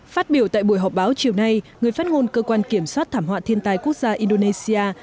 phát biểu tại buổi họp báo chiều nay người phát ngôn cơ quan kiểm soát thảm họa thiên tai quốc gia indonesia